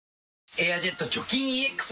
「エアジェット除菌ＥＸ」